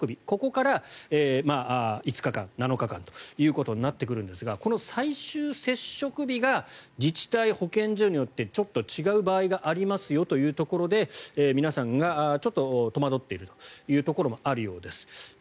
ここから５日間、７日間ということになってくるんですがこの最終接触日が自治体・保健所によってちょっと違う場合がありますよというところで皆さんがちょっと戸惑っているというところもあるようです。